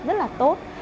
rất là tốt